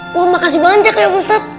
wah makasih banyak yaa ustad